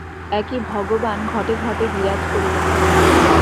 একই ভগবান ঘটে ঘটে বিরাজ করিতেছেন।